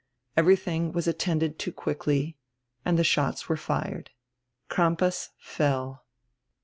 Everything was attended to quickly, and die shots were fired. Crampas fell.